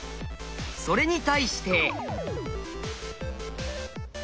それに対して。